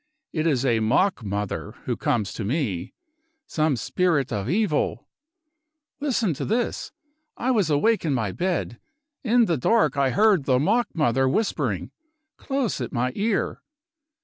It is a mock mother who comes to me some spirit of evil. Listen to this. I was awake in my bed. In the dark I heard the mock mother whispering, close at my ear.